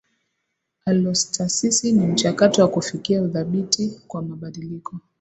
Alostasisi ni mchakato wa kufikia udhabiti kwa mabadiliko